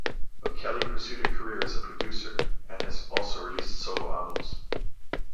O'Kelly pursued a career as a producer and has also released solo albums.